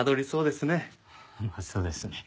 まあそうですね。